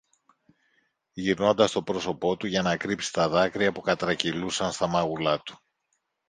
γυρνώντας το πρόσωπο του για να κρύψει τα δάκρυα που κατρακυλούσαν στα μάγουλα του